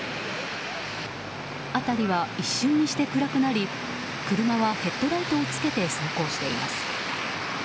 辺りは一瞬にして暗くなり車はヘッドライトをつけて走行しています。